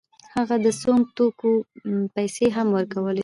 هغه د سونګ توکو پیسې هم ورکولې.